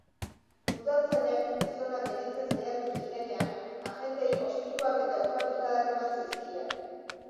Udaltzainak gizona gelditzen saiatu zirenean, agenteei ostikoak eta ukabilkadak eman zizkien.